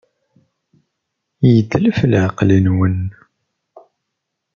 Yetlef leɛqel-nwent.